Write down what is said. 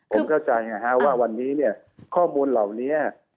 ผมเข้าใจว่าวันนี้เนี่ยข้อมูลเหล่านี้